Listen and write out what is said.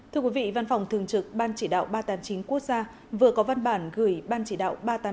thưa quý vị văn phòng thường trực ban chỉ đạo ba trăm tám mươi chín quốc gia vừa có văn bản gửi ban chỉ đạo ba trăm tám mươi chín